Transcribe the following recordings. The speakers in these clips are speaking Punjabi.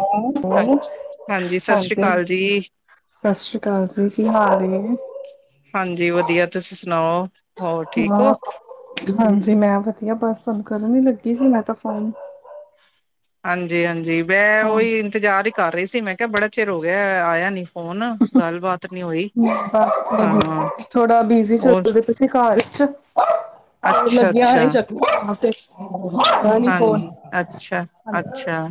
ਕੌਣ ਸੋਨੂੰ, ਹਾਂਜੀ, ਸਤਿ ਸ਼੍ਰੀ ਹਾਂਜੀ। ਅਕਾਲ ਜੀ। ਸਤਿ ਸ਼੍ਰੀ ਅਕਾਲ ਜੀ, ਕੀ ਹਾਲ ਏ? ਹਾਂਜੀ ਵਧੀਆ, ਤੁਸੀਂ ਸੁਣਾਓ? ਹੋਰ ਠੀਕ ਹੋ? ਬਸ ਹਾਂਜੀ ਮੈਂ ਵਧੀਆ, ਬਸ ਤੁਹਾਨੂੰ ਕਰਨ ਹੀ ਲੱਗੀ ਸੀ ਮੈਂ ਤਾਂ ਫੋਨ। ਹਾਂਜੀ, ਹਾਂਜੀ ਮੈਂ ਹਾਂ ਓਹੀ ਇੰਤਜ਼ਾਰ ਹੀ ਕਰ ਰਹੀ ਸੀ ਮੈਂ ਕਿਹਾ ਬੜਾ ਚਿਰ ਹੋ ਗਿਆ ਆਇਆ ਨੀ ਫੋਨ ਗੱਲਬਾਤ ਨੀ ਹੋਈ ਹਾਂ ਬਸ ਥੋੜਾ ਬਿਜੀ ਹੋਰ ਚੱਲਦੀ ਅਸੀਂ ਘਰ ਵਿੱਚ। ਲੱਗੀਆਂ ਅੱਛਾ-ਅੱਛਾ ਨੀ ਚੱਕ ਦੇ ਪਤਾ ਨੀ ਕੌਣ ਹਾਂਜੀ। ਅੱਛਾ-ਅੱਛਾ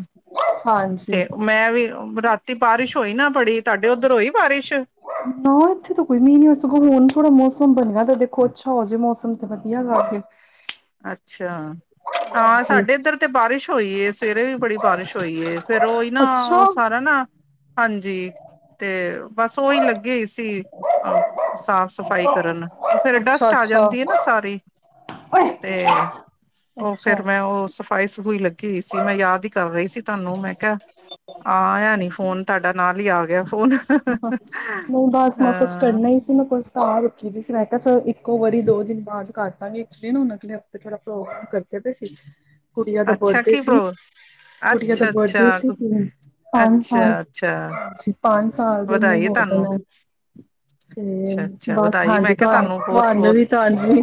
ਹਾਂਜੀ ਤੇ ਮੈਂ ਵੀ ਰਾਤੀ ਬਾਰਿਸ਼ ਹੋਈ ਨਾ ਬੜੀ, ਤੁਹਾਡੇ ਓਧਰ ਹੋਈ ਬਾਰਿਸ਼? ਨਾ ਇੱਥੇ ਤਾਂ ਕੋਈ ਮੀਂਹ ਨੀ ਆਇਆ ਸਗੋਂ ਹੁਣ ਥੋੜਾ ਮੌਸਮ ਬਣਿਆ ਦਾ ਦੇਖੋ ਅੱਛਾ ਹੋ ਜੇ ਮੌਸਮ ਤੇ ਵਧੀਆ ਗੱਲ ਏ। ਅੱਛਾ! ਹਾਂ, ਹਾਂਜੀ ਸਾਡੇ ਏਧਰ ਤੇ ਬਾਰਿਸ਼ ਹੋਈ ਏ ਸਵੇਰੇ ਵੀ ਬੜੀ ਬਾਰਿਸ਼ ਹੋਈਏ। ਫੇਰ ਓਹੀ ਨਾ ਅੱਛਾ ਓ ਸਾਰਾ ਨਾ ਹਾਂਜੀ ਤੇ ਬਸ ਓਹੀ ਲੱਗੇ ਏਸੀ। ਅ ਸਾਫ਼-ਸਫ਼ਾਈ ਕਰਨ ਓ ਫੇਰ ਅੱਛਾ ਡਸਟ ਆ ਅੱਛਾ ਜਾਂਦੀ ਐ ਨਾ ਸਾਰੀ ਤੇ ਓ ਫੇਰ ਅੱਛਾ ਮੈਂ ਓ ਸਫਾਈ-ਸਫੁਈ ਲੱਗੀ ਹੋਈ ਸੀ। ਮੈਂ ਯਾਦ ਹੀ ਕਰ ਰਹੀ ਸੀ ਤੁਹਾਨੂੰ, ਮੈਂ ਕਿਹਾ ਆਯਾ ਨੀ ਫੋਨ ਤੁਹਾਡਾ ਨਾਲ ਹੀ ਆ ਗਿਆ। ਫੋਨ ਹ-ਹ, ਨਈ ਬਸ ਮੈਂ ਕੁੱਛ ਹਾਂ ਕਰਨਾ ਹੀ ਮੈਂ ਕੋਛ ਸਤਾਹ ਰੱਖੀ ਦੀ ਸੀ ਮੈਂ ਕਿਹਾ ਚਲੋ ਇੱਕੋ ਵਾਰੀ ਦੋ ਦਿਨ ਬਾਦ ਕਰ ਦਾ ਗੀ। ਸੰਡੇ ਨੂੰ ਅਗਲੇ ਹਫ਼ਤੇ ਥੋੜਾ ਪ੍ਰੋਗਰਾਮ ਕਰਦੇ ਪਏ ਸੀ ਗੁੜੀਆਂ ਦਾ ਅੱਛਾ ਬਡੇ ਕੀ ਸੀ। ਪ੍ਰੋ ਗੁੜੀਆਂ ਦਾ ਅੱਛਾ ਬਡੇ ਅੱਛਾ ਸੀ। ਪੰਜ ਸਾਲ ਅੱਛਾ ਅੱਛਾ ਜੀ ਪੰਜ ਸਾਲ ਦੀ ਨੇ ਵਧਾਈ ਹੋ ਤੁਹਾਨੂੰ ਜਾਣਾ। ਤੇ ਅੱਛਾ ਅੱਛਾ ਬਸ ਵਧਾਈ ਹਾਂਜੀ, ਮੈਂ ਕਿਹਾ ਤੁਹਾਨੂੰ ਬਹੁਤ ਤੁਹਾਨੂੰ-ਤੁਹਾਨੂੰ ਬਹੁਤ ਵੀ-ਤੁਹਾਨੂੰ ਵੀ,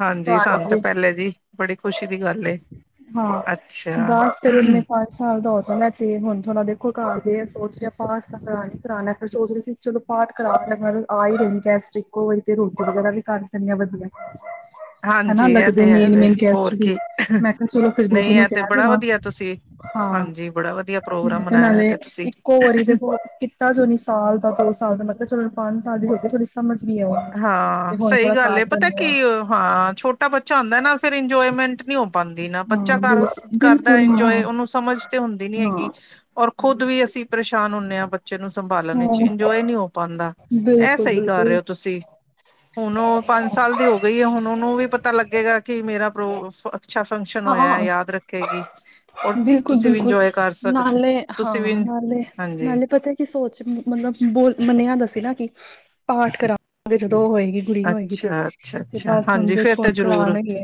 ਹਾਂਜੀ ਸਾਨੂੰ ਤੁਹਾਨੂੰ ਤਾਂ ਵੀ। ਪਹਿਲੇ ਜੀ ਬੜੀ ਖੁਸ਼ੀ ਦੀ ਗੱਲ ਏ, ਹਾਂ ਅੱਛਾ! ਬਸ ਫਿਰ ਉਹਨੇ ਪੰਜ ਸਾਲ ਦਾ ਹੋ ਜਨਾ ਤੇ ਹੁਣ ਥੋੜਾ ਦੇਖੋ ਘਰ ਦੇ ਸੋਚ ਰਹੇ ਆ ਪਾਠ ਤਾਂ ਕਰਾਣਾ ਹੀ ਕਰਾਣਾ ਆ ਫੇਰ ਸੋਚ ਰਹੇ ਸੀ ਚਲੋ ਪਾਠ ਕਰਾ ਆਪਾਂ ਆ ਹੀ ਰਹੇ ਐ ਗੈਸਟ ਤੇ ਇੱਕੋ ਵਾਰ ਰੋਟੀ ਵਗੈਰਾ ਵੀ ਕਰ ਤੈਨੇ ਵਧੀਆ ਹਾਂਜੀ ‌। ਹਨਾ ਹਾਂਜੀ ਇਹ ਤੇ ਲੱਗਦੇ ਹੈ ਵੇ ਮੇਨ-ਮੇਨ ਗੈਸਟ ਹੋਰ ਦੀ, ਕੀ ਮੈਂ ਕਿਹਾ ਚਲੋ ਫੇਰ ਦੀਦੀ ਨਹੀਂ ਨੂੰ ਇਹ ਤੇ ਕਹਿ ਬੜਾ ਦੇਵਾ। ਵਧੀਆ ਤੁਸੀਂ ਹਾਂ, ਹਾਂਜੀ ਬੜਾ ਵਧੀਆ ਪ੍ਰੋਗਰਾਮ ਮੈਂ ਕਿਆ ਮਨਾਇਆ ਨਾਲੇ ਤੇ ਤੁਸੀਂ ਇੱਕੋ ਵਾਰੀ ਦੇਖੋ ਕੀਤਾ ਜੋ ਨੀ ਸਾਲ ਦਾ, ਦੋ ਸਾਲ ਦਾ ਮੈ ਕਿਆ ਚਲੋ ਪੰਜ ਸਾਲ ਦੀ ਹੋ ਜੇ ਥੋੜ੍ਹੀ ਸਮਝ ਵੀ ਆਏ। ਹਾਂ, ਸਈ ਗੱਲ ਏ ਪਤਾ ਕੀ ਏ ਹਾਂ ਛੋਟਾ ਬੱਚਾ ਹੁੰਦਾ ਨਾ ਫਿਰ ਇੰਜੋਏਮੈਂਟ ਨੀ ਹੋ ਪਾਂਦੀ ਨਾ, ਬੱਚਾ ਹਾਂ ਕਰ ਬਿਲਕੁਲ ਕਰਦਾ ਬਿਲਕੁਲ ਇੰਜੋਏ ਹਾਂ ਉਹਨੂੰ ਸਮਝ ਤੇ ਹੁੰਦੀ ਨੀ ਹੈਗੀ ਹਾਂ ਔਰ ਖੁੱਦ ਵੀ ਅਸੀਂ ਪਰੇਸ਼ਾਨ ਹੁੰਨੇ ਆ ਬੱਚੇ ਨੂੰ ਸੰਭਾਲਣ ਇਚ ਹਾਂ ਇੰਜੋਏ ਨੀ ਹੋ ਪਾਂਦਾ ਐ ਬਿਲਕੁਲ ਸਈ ਕਰ ਰਹੇ ਬਿਲਕੁਲ ਹੋ ਤੁਸੀਂ। ਹੁਨ ਉਹ ਪੰਜ ਸਾਲ ਦੀ ਹੋ ਗਈ ਏ ਹੁਨ ਉਹਨੂੰ ਵੀ ਪਤਾ ਲੱਗੇਗਾ ਕਿ ਮੇਰਾ ਪ੍ਰੋ ਅੱਛਾ ਫੰਕਸ਼ਨ ਹੋਇਆ ਹਾਂ ਯਾਦ ਰੱਖੇਗੀ ਔਰ ਬਿਲਕੁਲ ਤੁਸੀਂ ਵੀ ਬਿਲਕੁਲ ਇੰਜੋਏ ਕਰ ਸਕਦੇ ਨਾਲੇ ਤੁਸੀਂ ਵੀ ਹਾਂ, ਹਾਂਜੀ ਨਾਲੇ-ਨਾਲੇ ਪਤਾ ਕੀ ਸੋਚ ਮਤਲਬ ਬੋਲ ਮੰਨਿਆਦਾ ਸੀ ਨਾ ਕਿ ਪਾਠ ਕਰਾਗੇ ਜਦੋਂ ਉਹ ਹੋਏਗੀ। ਕੁੜੀ ਹੋਏਗੀ ਤੇ, ਅੱਛਾ ਅੱਛਾ ਤੇ ਅੱਛਾ ਬਸ ਹੁਨ ਹਾਂਜੀ ਫੇਰ ਦੇਖੋ ਤਾਂ ਹੁਨ ਜ਼ਰੂਰ ਕਰਵਾਨਾ ਹੀ ਏ।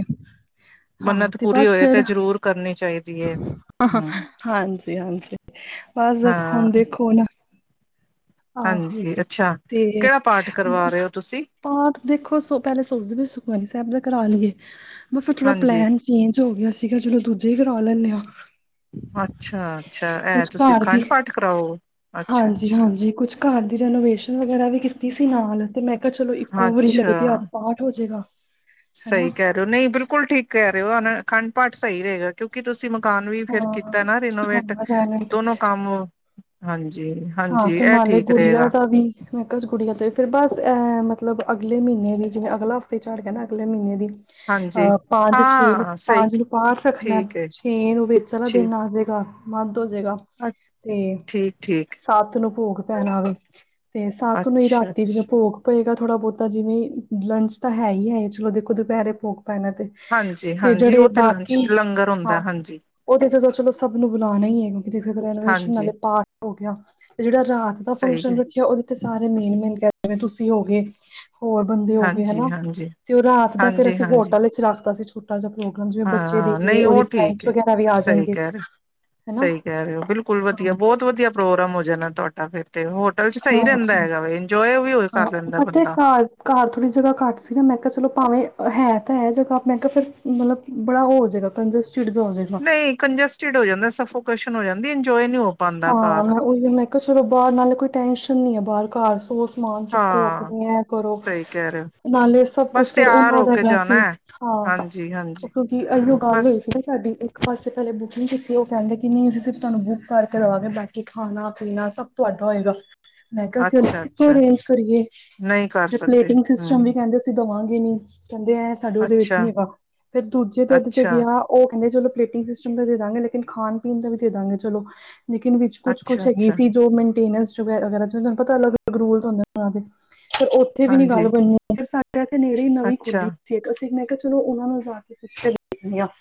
ਮੰਨਤ ਤੇ ਪੂਰੀ ਬਸ ਹੋਏ ਫੇਰ, ਜ਼ਰੂਰ ਕਰਨੀ ਚਾਹੀਦੀ ਹੈ ਹ-ਹ ਹਮ ਹਾਂਜੀ-ਹਾਂਜੀ। ਬਸ ਹਾਂ ਹੁਨ ਦੇਖੋ ਹੁਨ। ਹਾਂਜੀ, ਅੱਛਾ ਤੇ ਕੇੜਾ ਪਾਠ ਕਰਵਾ ਰਹੇ ਹੋ ਤੁਸੀਂ? ਪਾਠ ਦੇਖੋ ਪਹਿਲੇ ਸੋਚਦੀ ਪਈ ਸੀ ਕੀ ਸੁਖਮਈ ਸੈਬ ਦਾ ਕਰਾ ਲਈਏ। ਔ ਫੇਰ ਥੋੜਾ ਹਾਂਜੀ ਪਲੈਨ ਚੇਂਜ ਹੋ ਗਿਆ ਸੀਗਾ ਚਲੋ ਦੂਜਾ ਹੀ ਕਰਾਵਾ ਲੈਨੇ ਆ। ਅੱਛਾ-ਅੱਛਾ ਏ ਤੁਸੀਂ ਘਰ ਦੀ ਅਖੰਡ ਪਾਠ ਕਰਾਓ, ਅੱਛਾ-ਅੱਛਾ। ਕੁਝ ਘਰ ਦੀ ਰੈਨੋਵੇਸ਼ਨ ਵਗੈਰਾ ਵੀ ਕੀਤੀ ਸੀ ਨਾਲ ਤੇ ਮੈਂ ਕਿਹਾ ਚਲੋ ਇੱਕੋ ਵਾਰੀ ਲੱਗਦੇ ਹੱਥ ਪਾਠ ਹੋਜੇਗਾ। ਸਈ ਕਹਿ ਰਹੇ ਔ ਨਈ ਬਿਲਕੁਲ ਠੀਕ ਕਹਿ ਰਹੇ ਔ ਅਨ ਖੰਡ ਪਾਠ ਸਈ ਰਏਗਾ। ਕਿਉਂਕਿ ਤੁਸੀਂ ਮਕਾਨ ਵੀ ਫੇਰ ਹਾਂ ਕੀਤਾ ਨਾ ਰੀਨੋਵੇਟ ਹਾਂ ਰੈਨਟ ਦੋਨੋ ਕੰਮ ਹਾਂਜੀ। ਹਾਂ, ਹਾਂਜੀ ਫੇਰ ਇਹ ਨਾਲੇ ਠੀਕ ਗੁੜੀਆਂ ਰਹੇਗਾ ਦਾ ਵੀ ਮੈਂ ਕਿਹਾ ਗੁਡੀਆਂ ਤੇ ਫੇਰ ਬਸ ਐ ਮਤਲਬ ਅਗਲੇ ਮਈਨ ਦੀ ਜਵੇਂ ਅਗਲਾ ਹਫਤਾ ਹੀ ਚੜ ਗਿਆ ਅਗਲੇ ਮਈਨੇ ਦੀ ਹਾਂਜੀ ਅਹ ਪੰਜ-ਛੇ ਨੂੰ, ਹਾਂ ਸਹੀ ਪੰਜ ਨੂੰ ਪਾਠ ਰੱਖਨਾ। ਠੀਕ ਹੈ ਛੇ ਨੂੰ ਵਿੱਚ ਆਲਾ ਜੀ ਦਿਨ ਆ ਜੇਗਾ, ਮਦ ਹੋ ਜੇਗਾ ਤੇ ਠੀਕ-ਠੀਕ। ਸੱਤ ਨੂੰ ਭੋਗ ਪੈਣਾ ਵੇ, ਤੇ ਸੱਤ ਨੂੰ ਹੀ ਅੱਛਾ ਰਾਤੀ ਜਿਵੇਂ ਅੱਛਾ ਭੋਗ ਪਏਗਾ ਥੋੜ੍ਹਾ ਬੋਤਾ ਜਿਵੇਂ ਲੰਚ ਤਾਂ ਹੈ ਹੀ ਹੈ ਚਲੋ ਦੇਖੋ ਦੁਪਹਿਰੇ ਭੋਗ ਪੈਨਾ ਤੇ। ਹਾਂਜੀ-ਹਾਂਜੀ, ਉਹ ਤੇ ਲੰਚ ਲੰਗਰ ਹੁੰਦਾ ਹਾਂਜੀ। ਓ ਤੇ ਤਾ ਚਲੋ ਸਭ ਨੂੰ ਬੁਲਾਣਾ ਈ ਏ ਕਿਉਂਕਿ ਦੇਖੋ ਰੇਲਵੇ ਨਾਲੇ ਹਾਂਜੀ ਪਾਠ ਹੋ ਗਿਆ। ਤੇ ਜੇੜਾ ਰਾਤ ਦਾ ਸਹੀ ਫੰਕਸ਼ਨ ਹੈ ਰੱਖਿਆ ਉਹਦੇ ਤੇ ਸਾਰੇ ਮੇਨ-ਮੇਨ [unintelligible] ਤੁਸੀਂ ਹੋ ਗੇ। ਹੋਰ ਬੰਦੇ ਹੋ ਗਏ ਹਾਂਜੀ ਹਨਾ ਹਾਂਜੀ ਤੇ ਉਹ ਰਾਤ ਦਾ ਫੇਰ ਹਾਂਜੀ ਅਸੀਂ ਹਾਂਜੀ ਹੋਟਲ ਇਚ ਰੱਖ ਤਾ ਸੀ ਛੋਟਾ ਜਾ। [unintelligible] ਜੇ ਬੱਚੇ ਦੇ ਹਾਂ ਜਿਵੇ ਨਹੀਂ ਓਦੇ ਉਹ ਫਰੈਂਡਸ ਵਗੈਰਾ ਵੀ ਆ ਜਾਨਗੇ। ਸਈ ਕੇ ਰਹੇ ਹੋ ਬਿਲਕੁਲ ਵਧੀਆ ਬੋਤ ਵਧੀਆ। ਪ੍ਰੋਗਰਾਮ ਹੋ ਜਾਣਾ ਤੁਹਾਡਾ ਫਿਰ ਤੇ ਹੋਟਲ ਚ ਸਈ ਰਹਿੰਦਾ ਹਾਂਜੀ ਹੈਗਾ ਵੇ ਇੰਜੋਏ ਵੀ ਕਰ ਹਾਂ ਲੈਂਦਾ ਪਤਾ ਹੈ ਬੰਦਾ। ਘਰ ਘਰ ਥੋੜੀ ਜਗਾ ਘੱਟ ਸੀਗਾ ਮੈਂ ਕਿਆ ਚਲੋ ਭਾਵੇ ਹੈ ਤੇ ਹੈ ਜਗਾ ਮੈਂ ਕਿਹਾ ਫਿਰ ਮਤਲਬ ਬੜਾ ਉਹ ਜੇਗਾ। ਕੰਜਸਟਿਡ ਜਾ ਹੋ ਜੇਗਾ। ਨਹੀਂ ਕੰਜਸਟਿਡ ਹੋ ਜਾਂਦਾ, ਸਫੋਕੇਸ਼ਨ ਹੋ ਜਾਂਦੀ ਏ ਇੰਜੋਏ ਨੀ ਹੋ ਪਾਉਂਦਾ ਹਾਂ, ਘਰ ਮੈਂ ਉਹੀ ਮੈਂ ਕਿਆ ਚਲੋ ਬਾਰ ਨਾਲੇ ਕੋਈ ਟੈਂਸ਼ਨ ਨੀ ਆ ਬਾਰ ਘਰ ਸੋ ਸਮਾਨ ਚੁੱਕੋ ਹਾਂ ਆਪਣੇ ਐ ਕਰੋ। ਸਹੀ ਕਹਿ ਰਹੇ ਹੋ ਨਾਲੇ ਸਭ ਕੁਛ ਬਸ ਫੇਰ ਤਿਆਰ ਓਨਾਂ ਹੋ ਦਾ ਕੇ ਹੇਗਾ ਜਾਣਾ ਸੀ, ਹੈ ਹਾਂ ਹਾਂਜੀ ਹਾਂਜੀ ਕਿਉਂਕਿ ਏਇਯੋ ਗੱਲ ਹੋਈ ਬਸ ਸੀ ਨਾ। ਸਾਡੀ ਇੱਕ ਪਾਸੇ ਪੈਲੇ ਬੁਕਿੰਗ ਕੀਤੀ ਏ ਉਹ ਕਹਿੰਦੇ ਕਿ ਨਈ ਅਸੀਂ ਸਿਰਫ ਤੁਹਾਨੂੰ ਬੁੱਕ ਕਰ ਕਰਵਾਗੇ ਬਾਕੀ ਖਾਨਾ-ਪੀਨਾ ਸਭ ਤੁਹਾਡਾ ਹੋਏਗਾ। ਮੈਂ ਕਿਆ ਅਸੀਂ ਅੱਛਾ ਕਿਥੋ ਅੱਛਾ ਅਰੇਂਜ ਕਰੀਏ, ਨਹੀਂ ਕਰ ਫੇਰ ਸਕਦੇ ਪਲੇਟਿੰਗ ਹਮ ਸਿਸਟਮ ਵੀ ਕੇਂਦੇ ਅਸੀਂ ਦੇਵਾਂਗੇ ਨੀ। ਕੈੰਂਦੇ ਐ ਸਾਡੇ ਓਦੇ ਵਿੱਚ ਨੀ ਅੱਛਾ ਹੈਗਾ। ਫੇਰ ਦੂਜੇ ਤੇ ਓਦੇ ਤੇ ਅੱਛਾ ਗਿਆ ਓ ਕੈਂਦੇ ਚਲੋ ਪਲੇਟਿੰਗ ਸਿਸਟਮ ਦਾ ਦੇ ਦਾਂਗੇ, ਲੇਕਿਨ ਖਾਣ-ਪੀਣ ਦਾ ਵੀ ਦੇ ਦਾਂਗੇ ਚਲੋ ਲੇਕਿਨ ਵਿੱਚ ਅੱਛਾ ਕੁਛ-ਕੁਛ ਹੈਗੀ ਅੱਛਾ ਸੀ ਜੋ ਮੇਨਟੇਨੈਂਸ ਵਗੈਰਾ-ਵਗੈਰਾ ਚ' ਤੁਹਾਨੂੰ ਪਤਾ ਅਲੱਗ-ਅਲਗ ਰੂਲਜ ਹੁੰਦੇ ਨੇ, ਓਨਾਂ ਦੇ ਪਰ ਉੱਥੇ ਵੀ ਨੀ ਗੱਲ ਹਾਂਜੀ ਬਣੀ ਨੀ ਸਾਡੇ ਏਥੇ ਨੇੜੇ ਨਵੀਂ ਅੱਛਾ ਖੁੱਲੀ ਸੀ ਇੱਕ ਅਸੀਂ ਮੈ ਕਿਹਾ ਚਲੋ ਓ ਨੂੰ ਜਾ ਕੇ ਪੁੱਛ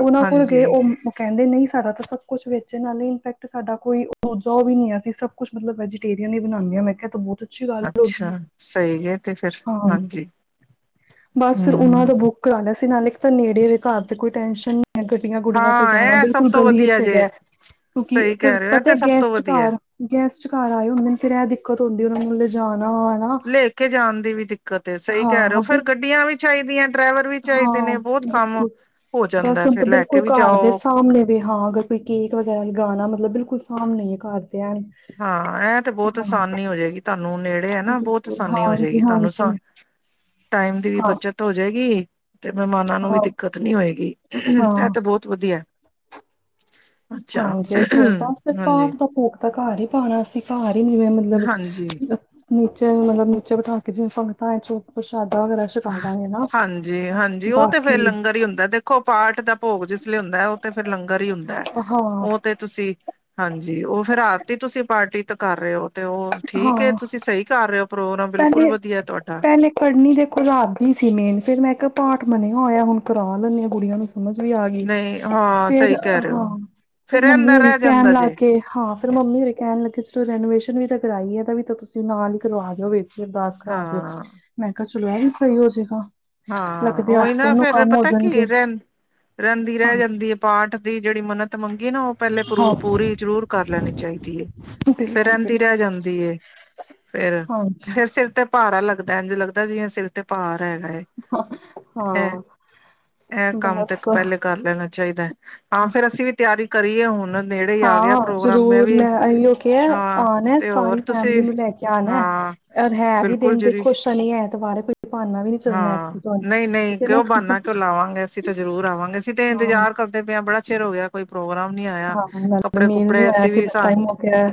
ਓਨਾਂ ਕੋਲ ਗਏ ਹਾਂਜੀ ਓ ਕੈਂਦੇ ਨਈਂ, ਸਾਡਾ ਤਾਂ ਸਭ ਕੁਛ ਵੇਚਣ ਨਾਲੇ ਇਪੈਕਟ ਤੇ ਸਾਡਾ ਕੋਈ ਜਾ ਓ ਵੀ ਨੀ ਅਸੀਂ ਸਭ ਕੁਛ, ਮਤਲਬ ਵੈਜੀਟੇਰੀਅਨ ਹੀ ਬਣਾਉਂਦੇ ਆ, ਮੈਂ ਕਿਆ ਏ ਤਾਂ ਬੋਤ ਅੱਛੀ ਗੱਲ ਅੱਛਾ ਹੈਗੀ ਸਹੀ ਹੈ ਤੇ ਫਿਰ ਆ। ਹਾਂਜੀ ਬਸ ਫਿਰ ਹਮ ਨਾਂ ਦਾ ਬੁੱਕ ਕਰਾ ਲਿਆ ਸੀ ਨਾਲੇ, ਇੱਕ ਤਾਂ ਨੇੜੇ ਵੇ ਘਰ ਤੇ ਕੋਈ ਟੈਨਸ਼ਨ ਨੀ। ਗੱਡੀਆਂ-ਗੁੱਡੀਆਂ ਤੇ ਹਾਂ ਜਾਣਾ ਇਹ ਸਭ ਬਿਲਕੁਲ ਤੋਂ ਗਲੀ ਵਧੀਆ ਚ' ਹੈਗਾ। ਜੇ ਕਿਓਕੇ ਸਹੀ ਫੇਰ ਕਹਿ ਰਹੇ ਹੋ ਇਹ ਪਤਾ ਹੈ ਤੇ ਸਭ ਤੋਂ ਗੈਸਟ ਵਧੀਆ ਘਰ ਗੈਸਟ ਘਰ ਆਏ ਹੁੰਦੇ ਨੇ ਫੇਰ ਐ ਦਿੱਕਤ ਹੁੰਦੀ ਉਨ੍ਹਾ ਨੂੰ ਲਿ਼ਜਾਣਾ ਹਨਾ। ਲੈ ਕੇ ਜਾਣ ਦੀ ਵੀ ਦਿੱਕਤ ਏ ਸਹੀ ਕੈ ਰਹੇ ਹਾਂ ਓ, ਫੇਰ ਬਿਲ ਗੱਡੀਆਂ ਵੀ ਚਾਈਦੀਆਂ। ਹਾਂ, ਬਿਲਕੁਲ, ਹੋ ਜਾਂਦਾ ਵੈਸੇ ਹੁਣ ਤਾਂ ਫਿਰ ਲੈ ਬਿਲਕੁਲ ਕੇ ਵੀ ਘਰ ਦੇ ਜਾਓ ਸਾਮਣੇ। ਵੀ ਹਾਂ, ਅਗਰ ਕੋਈ ਕੇਕ ਵਗੈਰਾ ਲਗਾਣਾ ਮਤਲਬ ਬਿਲਕੁਲ ਸਾਮਣੇ ਈ ਏ ਘਰਦੇ ਐ ਹਾਂ, ਐ ਤੇ ਬੋਤ ਆਸਾਨੀ ਹੋ ਜੇਗੀ ਤੁਆਨੂੰ ਨੇੜੇ ਐ ਨਾ, ਬੋਤ ਬਿਲਕੁਲ ਆਸਾਨੀ ਹੋ ਹਾਂਜੀ ਜੇਗੀ ਤੁਆਨੂੰ ਹਾਂਜੀ ਟਾਈਮ ਦੀ ਵੀ ਹਾਂ ਬੱਚਤ। ਬੱਚਤ ਹੋ ਜਾਏਗੀ, ਤੇ ਮਹਿਮਾਨਾਂ ਨੂੰ ਵੀ ਹਾਂ ਦਿੱਕਤ ਨੀ ਹੋਏਗੀ, ਹਾਂ ਐ ਤੇ ਬੋਤ ਵਧੀਆ। ਅੱਛਾ ਹਾਂਜੀ, ਹੋਰ ਬਸ ਤੇ ਹਾਂਜੀ ਪਾਠ ਦਾ ਭੋਗ। ਘਰ ਹੀ ਪਾਂਣਾ ਅਸੀਂ ਘਰ, ਈ ਨਵੇਂ ਮਤਲਬ ਹਾਂਜੀ ਨੀਚੇ ਮਤਲਬ ਨੀਚੇ ਬਿਠਾ ਕੇ ਜਿਵੇਂ ਸੰਗਤਾਂ ਚ' ਪ੍ਰਸ਼ਾਦਾ ਵਗੈਰਾ ਛਕਾ ਦਾਂਗੇ ਨਾ ਹਾਂਜੀ-ਹਾਂਜੀ, ਓ ਤੇ ਫੇਰ ਬਾਕੀ ਲੰਗਰ ਈ ਹੁੰਦਾ ਦੇ ਖੋ ਪਾਠ ਦਾ ਭੋਗ ਜਿਸ ਲਈ ਹੁੰਦਾ ਐ, ਓ ਤੇ ਫਿਰ ਲੰਗਰ ਈ ਹੁੰਦਾ ਐ। ਹਾਂ ਓ ਤੇ ਤੁਸੀਂ ਹਾਂਜੀ, ਓ ਫੇਰ ਰਾਤੀ ਤੁਸੀਂ ਪਾਰਟੀ ਤਾਂ ਕਰ ਰਹੇ ਓ ਤੇ ਓ ਠੀਕ ਏ ਤੁਸੀਂ ਸਹੀ ਕਰ ਰਏ ਓ। ਪੈਲੇ-ਪੈਲੇ ਪੜ੍ਹਨੀ ਦੇਖ ਕੋਲ ਰਾਤ ਦੀ ਸੀ, ਮੇਨ ਫਿਰ ਮੈਂ ਇੱਕ ਪਾਠ ਮੰਨਿਆ ਹੋਇਆ ਹੁਣ ਕਰਾ ਲੈਂਨੀ ਆਂ। ਬੜੀਆ ਸਮਝ ਵੀ ਆ ਗਈ। ਨਹੀਂ ਹਾਂ ਫੇਰ ਸਹੀ ਕਹਿ ਰਹੇ ਹਾ, ਹੋ ਫੇਰ ਮੰਮੀ ਰਹਿੰਦਾ ਹੁਣੀ ਰਹਿ ਕੈਣ ਜਾਂਦਾ ਜੇ ਲਾਗੇ ਹਾਂ। ਫ ਮੰਮੀ ਮੇਰੇ ਕੈਣ ਲੱਗੇ ਚਲੋ ਰੈਨੋਵੇਸ਼ਨ ਵੀ ਤਾਂ ਕਰਾਈ ਐ ਤਾਂ ਵੀ ਤਾਂ ਤੁਸੀਂ ਨਾਲ ਹੀ ਕਰਵਾ ਦਿਓ ਵ ਅਰਦਾਸ ਕਰਾ ਦਿਓ। ਹਾਂ ਮੈਂ ਕਿਹਾ, ਚਲੋ ਏ ਵੀ ਸਈ ਹੋ ਜੇਗਾ। ਹਾਂ, ਉਹੀ ਨਾ ਫੇਰ ਪਤਾ ਕੀ, ਰਹ ਰੈਂਦੀ, ਹਾਂ। ਰੈ ਜਾਂਦੀ। ਪਾਠ ਦੀ ਜੇੜੀ ਮੰਨਤ ਮੰਗੀਏ ਨਾ ਓ ਪੈਲੇ ਪੂ ਹਾਂ। ਪੂਰੀ ਜ਼ਰੂਰ ਕਰ ਲੈਣੀ ਚਾਈਦੀ। ਫੇਰ ਬਿਲਕੁਲ ਰੈਂਦੀ ਰੈ ਬਿਲਕੁਲ ਜਾਂਦੀ ਏ। ਹਾਂਜੀ। ਫੇਰ-ਫੇਰ ਸਿਰ ਤੇ ਭਾਰਾ ਲੱਗਦਾ, ਇੰਝ ਲੱਗਦਾ ਜਿਵੇ ਸਿਰ ਤੇ ਭਾਰ ਹੈਗਾ ਏ। [unintelligible] ਐ, ਐ ਕੰਮ ਤੇ ਬਸ ਇੱਕ ਪੈਲੇ ਕਰ ਲੈਣਾ ਚਾਈਦਾ, ਹਾਂ ਫੇਰ ਅਸੀਂ ਵੀ ਤਿਆਰੀ ਕਰੀ ਐ, ਹੁਣ। ਨੇੜੇ ਹੀ ਆ ਗਿਆ ਹਾਂ, ਪ੍ਰੋਗਰਾਮ ਜ਼ਰੂਰ ਵੀ ਮੈਂ ਐਹੀਓ ਹੋ ਕੇ ਹਾਂ ਆਂਣਾ ਤੇ ਸਾਰੀ ਹੋਰ ਤੁਸੀਂ ਫੈਮਿਲੀ ਨੂੰ ਲੈ ਕੇ ਆਣਾ। ਹਾਂ ਰ ਹੈ ਵੀ ਬਿਲਕੁਲ ਦਿਨ ਜਰੀ ਦੇਖੋ ਸਨੀ ਐਤਵਾਰ ਐ ਗੁਰ ਦਬਾਰੇ ਕੋ ਹਾਂ, ਨੲਈ- ਨਈ ਹੈ ਨਾ ਕਿਓ ਬਾਨਾ ਲਾਵਾਂਗੇ, ਅਸੀਂ ਤਾਂ ਜ਼ਰੂਰ ਆਵਾਂਗੇ, ਅਸੀਂ ਤੇ ਹਾਂ ਇੰਤਜ਼ਾਰ ਕਰਦੇ ਪਿਆ ਬੜਾ ਚਿਰ ਹੋ ਗਿਆ ਕੋਈ ਪ੍ਰੋਗਰਾਮ ਨੀ ਆਇਆ, ਹਾਂ ਨਾਲੇ ਮੇਲ ਨੀ ਕੱਪੜੇ-ਕੁੱਪੜੇ ਹੋਇਆ ਅਸੀਂ ਵੀ ਕਿੰਨਾ ਸ ਟਾਈਮ ਹੋ ਗਿਆ।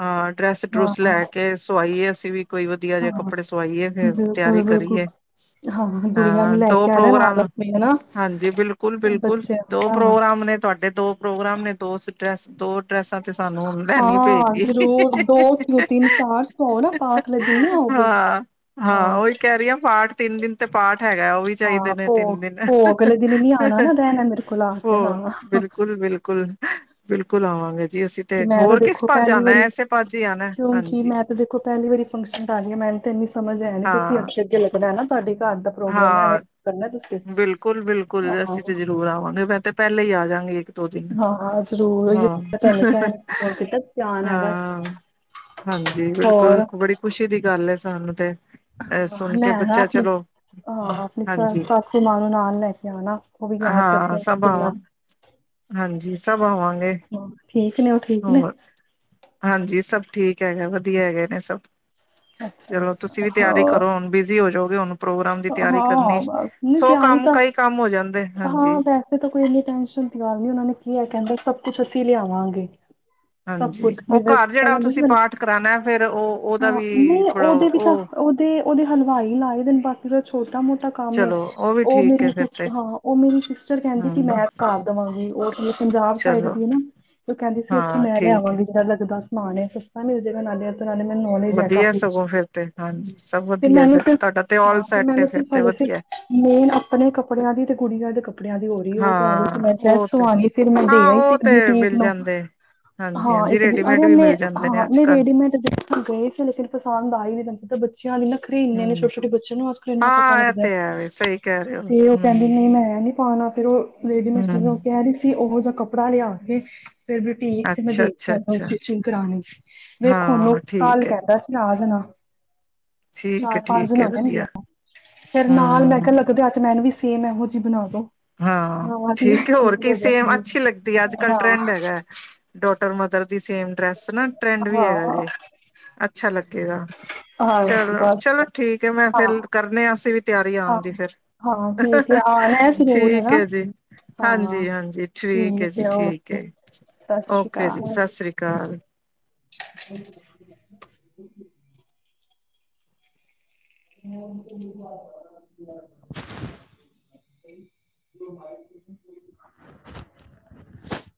ਹਾਂ ਹਾਂ ਡਰੈਸ-ਡਰੂਸ ਲੈ ਕੇ ਸਵਾਈਏ, ਅਸੀਂ ਵੀ ਕੋਈ ਵਦੀਆ ਜੇ ਹਾਂ ਕੱਪੜੇ ਸਵਾਈਏ ਫੇਰ ਤਿਆਰੀ ਬਿਲਕੁਲ ਬਿਲਕੁਲ ਕਰੀਏ ਹਾਂ ਗੁੜੀਆਂ ਹਾਂ, ਨੂੰ ਲੈ ਦੋ ਕੇ ਆਣਾ ਨਾਲ ਪ੍ਰੋਗਰਾਮ ਆਪਣੇ ਹਨਾ ਹਾਂਜੀ, ਬਿਲਕੁਲ। ਬਿਲਕੁਲ-ਬਿਲਕੁਲ ਬੱਚੇ ਦੋ ਹਾਂ ਪ੍ਰੋਗਰਾਮ ਨੇ ਤੁਆਡੇ, ਦੋ ਪ੍ਰੋਗਰਾਮ ਨੇ ਦੋ ਸਟਰੈਸ ਦੋ ਡਰੈਸਾਂ ਤੇ ਸਾਨੂੰ ਹੁਣ ਲੈਣੀ ਹਾਂ, ਪਏਗੀ। ਜ਼ਰੂਰ ਦੋ ਕਿਉ ਤਿੰਨ, ਚਾਰ ਸੌ ਨਾ ਪਾ ਲੇਟੀ ਤਾ ਨੀ ਆਓਗੇ। ਹਾਂ। ਹਾਂ ਓਈ ਕੈ ਰੀ ਆਂ ਪਾਠ, ਤਿੰਨ ਦਿਨ ਤੇ ਪਾਠ ਹੈਗੈ ਓ ਵੀ ਚਾਈਦੇ ਨੇ ਤਿੰਨ ਦਿਨ। ਫੋ ਬਿਲਕੁਲ-ਬਿਲਕੁਲ। ਬਿਲਕੁਲ ਆਵਾਂਗੇ ਜੀ ਅਸੀਂ ਤੇ। ਹੋਰ ਕਿਸ ਪਾਝ ਆਨੈ, ਐਸੇ ਪਾਝ ਈ ਆਨੈ, ਹਾਂਜੀ। ਪੈਲੀ ਵਾਰੀ ਫੰਕਸ਼ਨ ਕਰ ਰੀ ਆਂ ਮੈਨੰ ਤੇ ਐਨੀ ਸਮਝ ਐ ਨੀ ਤੁਸੀਂ ਹਾਂ, ਅੱਗੇ-ਅੱਗੇ ਲੱਗਨੈ ਨਾ, ਤੁਆਡੇ ਘਾਰ ਦਾ ਪ੍ਰੋਗਰਾਮ ਹੈ ਐਵੇਂ ਹਾਂ। ਕਰਨਾ ਤੁਸੀਂ ਬਿਲਕੁਲ, ਬਿਲਕੁਲ ਅਸੀਂ ਤੇ ਜ਼ਰੂਰ ਆਵਾਂਗੇ। ਮੈਂ ਤੇ ਪੈਲੇ ਈ ਆ ਜਾਗੀ ਇੱਕ ਦੋ ਦਿਨ। ਹਾਂ ਹਾਂ ਜ਼ਰੂਰ ਇਹ ਹਾਂ, ਤੁਹਾਨੂੰ ਕਹਿਣ ਫੋਨ ਕੀਤਾ ਧਿਆਨ ਹੈ ਬਸ ਹਾਂ। ਹਾਂਜੀ, ਬਿਲਕੁਲ ਹੋਰ ਕੁ ਬੜੀ ਖੁਸ਼ੀ ਦੀ ਗੱਲ ਐ ਸਾਨੂੰ ਤੇ ਐ ਹਾਂ ਸੁਨ ਕੇ, ਲੈਣਾ ਬੱਚਾ ਆਪਣੀ ਚਲੋ ਹਾਂ, ਆਪਣੀ ਸਸ ਹਾਂਜੀ ਸਾਸੂ ਮਾਂ ਨੂੰ ਨਾਲ ਲੈ ਕੇ ਆਨਾ। ਓ ਵੀ ਯਾਦ ਹਾਂ ਕਰਦੇ ਨੇ ਸਭ ਕਿੰਨਾ। ਆਵਾਂ ਹਾਂਜੀ ਸਭ ਆਵਾਂਗੇ, ਹਾਂ ਠੀਕ ਨੇ ਉਹ ਠੀਕ ਨੇ ਹੋਰ। ਹਾਂਜੀ ਸਭ ਠੀਕ ਹੈਗੈ। ਵਧੀਆ ਹੈਗੇ ਨੇ ਸਭ। ਚਲੋ ਤੁਸੀਂ ਅੱਛਾ-ਅੱਛਾ। ਵੀ ਤਿਆਰੀ ਹੋਰ ਕਰੋ ਹੁਨ ਬਿਜ਼ੀ ਹੋ ਜੋਗੇ ਹੁਨ ਪ੍ਰੋਗਰਾਮ ਦੀ ਤਿਆਰੀ ਕਰਨੀ। ਹਾਂ ਬਸ ਨਹੀਂ ਸੌ ਤਿਆਰੀ ਕੰਮ, ਤਾਂ ਕਈ ਕੰਮ ਹੋ ਜਾਂਦੇ। ਹਾਂ ਹਾਂਜੀ ਵੈਸੇ ਤਾਂ ਕੋਈ ਇਨੀ ਟੈਸ਼ਨ ਦੀ ਗੱਲ ਨੀ। ਓਨਾਂ ਨੇ ਕੀਐ ਕੈਂਦੇ ਸਭ ਕੁਛ ਅਸੀਂ ਲਿਆਵਾਂਗੇ। ਸਭ ਕੁਛ ਹਾਂਜੀ ਨੀ ਉਹ ਬਸ ਘਰ ਜਿਹੜਾ ਪੈਲਾਂ ਨੀ ਸੀ ਤੁਸੀਂ ਬਨੇ। ਪਾਠ ਕਰਾਉਣਾ ਫੇਰ ਉਹ ਉਹਦਾ ਹਾਂ ਵੀ ਨਈ ਥੋੜਾ ਓਦੇ ਵੀ ਤਾਂ ਉਹ ਓ ਤੇ ਓਦੇ ਹਲਵਾਈ ਲਾਏ ਦੇ ਨ ਬਾਕੀ ਜੋ ਛੋਟਾ ਮੋਟਾ ਕੰਮ ਏ। ਚਲੋ ਉਹ ਵੀ ਓ ਠੀਕ ਮੇਰੀ ਹੈ ਫਿਰ ਸਿਸ ਤੇ ਹਾਂ, ਓ ਮੇਰੀ ਸਿਸਟਰ ਕੈਂਦੀ ਕਿ ਹਮ ਮੈਂ ਕਰ ਦਵਾਂਗੀ ਓ ਨੇ ਪੰਜਾਬ ਸਾਈਡ ਚਲੋ ਦੀ ਏ ਨਾ ਤੇ ਓ ਕੈਂਦੀ ਸੀ ਓਥੋਂ ਹਾਂ ਮੈਂ ਠੀਕ ਹੈ ਲੈਆਵਾਂਗੀ ਜੜਾ ਲੱਗਦਾ ਸਮਾਨ ਐ ਸਸ ਤਾ ਮਿਲ ਜੇਗਾ ਨਾਲੇ ਏੱਧਰ ਆਲਿਆਂ ਦੀ ਮੈਨੂੰ ਨੌਲੇਜ ਐ ਵਧੀਆ ਕਾਫੀ। ਸਗੋਂ ਫਿਰ ਤੇ ਹਾਂਜੀ ਸਭ ਤੇ ਵਧੀਆ ਮੈਨੂੰ ਫਿਰ ਸਿਰਫ ਤੁਹਾਡਾ ਆਲ ਹਾਂ ਤੇ ਸੈਟ ਏ ਮੈਨੂੰ ਫਿਰ ਸਿਰਫ਼ ਤੇ ਹਾਲੇ ਸਿਰਫ ਵਧੀਆ। ਮੇਨ ਆਪਨੇ ਕੱਪੜਿਆਂ ਦੀ ਤੇ ਗੁੜੀਆਂ ਦੇ ਕੱਪ ੜਿਆਂ ਦੀ ਹੋ ਰੀ ਏ ਓ ਕੈ ਰੀ ਸੀ ਹਾਂ ਮੈਂ ਉਹ ਡਰੈਸ ਤੇ ਸੁਵਾਨੀ ਏ ਫਿਰ ਮੈਂ ਦੇ ਹਾਂ ਆਈ ਸੀ ਉਹ ਇੱਕ ਤੇ ਬਿਊਟੀਕ ਮਿਲ ਨੂੰ ਜਾਂਦੇ। ਹਾਂ, ਹਾਂਜੀ-ਹਾਂਜੀ ਇੱਕ ਦਿ ਅਰੇ ਰੈਡੀਮੇਡ ਵੀ ਓਨੇ ਮਿਲ ਜਾਂਦੇ ਨੇ ਹਾਂ ਨਈ ਅੱਜ-ਕੱਲ ਰੇਡੀਮੇਡ ਦੇ ਗਏ ਸੀ ਲੇਕਿਨ ਪਸੰਦ ਆਏ ਨੀ। [unintelligible] ਏੱਕ ਬੱਚਿਆਂ ਦੀ ਨਖਰੇ ਈ ਇੰਨੇ ਨੇ ਸ਼ੋ ਹੂੰ ਸ਼ੋ ਟੇ ਬੱਚਿਆਂ ਨੂੰ ਅੱਜ-ਕੱਲ ਇੰਨਾ ਪਤਾ ਹਾਂ ਇਹ ਲੱਗਦੈ ਤੇ ਹੈ ਵੇ ਸਹੀ ਕਹਿ ਰਹੇ ਹੋ ਤੇ ਓ ਕੈਂਦੇ ਨੇ ਹੂੰ-ਹੂੰ ਮੈਂ ਐ ਨੀ ਪਾਨਾ ਫੇਰ ਓ ਰੇਡੀਮੇਡ ਸਿਵੇ ਓ ਕੈ ਰੀ ਸੀ ਓਹੋ ਜਾ ਕੱਪੜਾ ਲਿਆ ਕੇ ਫੇਰ ਬਿਊਟੀਕ ਤੇ ਮੈਂ ਦੇ ਕੇ ਆਨਾਂ ਅੱਛਾ-ਅੱਛਾ-ਅੱਛਾ ਸਟਿਚਿੰਗ ਕਰਾਨ ਨਈ। ਵੇਖੋ ਹੂਨ ਓ ਹਾਂ ਕਾਲ ਠੀਕ ਏ। ਕਰਦੈ ਰਾਜਮਾਂ ਠੀਕ ਐ, ਠੀਕ। ਏਨਾਂ ਏ ਹਲਕਾ ਨੀ ਲਿਆ ਵਧੀਆ ਨਾ। ਫੇਰ ਨਾਲ ਮੈਂ ਹੂੰ ਕੈ ਲੱਗਦੇ ਹੱਥ ਮੈਨੰ ਵੀ ਸੇਮ ਐਹੋ ਜੀ ਬਨਾ ਦੋ। ਹਾਂ, ਮੈਂ ਦੀ ਠੀਕ ਏ, ਹੋਰ ਕੀ, ਸੇਮ ਅੱਛੀ ਲੱਗਦੀ ਏ। ਅੱਜ-ਕੱਲ ਹਾਂ ਟ੍ਰੈਂਡ ਹੈਗੈ। ਡੋਟਰ ਮਦਰ ਦੀ ਸੇਮ ਡਰੈਸ ਨਾ ਟ੍ਰੈਂਡ ਹਾਂ ਵੀ ਹੈਗਾ ਜੇ। ਅੱਛਾ ਲੱਗੇਗਾ। ਹਾਂ ਚਲੋ, ਬਸ ਚਲੋ ਠੀਕ ਐ ਮੈਂ ਹਾਂ ਫੇਰ ਕਰਨੇ ਆ ਅਸੀਂ ਵੀ ਤਿਆਰੀ ਹਾਂ, ਆਨ ਦੀ ਫਿਰ। ਹਾਂ ਠੀਕ ਐ। ਆਣੈ ਅਸੀਂ ਜਰੂਰ ਹੈਨਾ। ਹਾਂਜੀ-ਹਾਂਜੀ, ਠੀਕ ਐ ਜੀ, ਠੀਕ ਓਕੇ ਏ। ਸਤਿ ਸ਼੍ਰੀ ਓਕੇ ਜੀ ਸਸ ਸ੍ਰੀ ਕਾਲ। [unintelligible] ਬਨਾਗੀਂ ਮੈਂ। [unintelligible] [unintelligible]